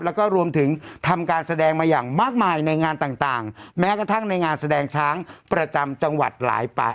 แล้วก็รวมถึงทำการแสดงมาอย่างมากมายในงานต่างแม้กระทั่งในงานแสดงช้างประจำจังหวัดหลายปาก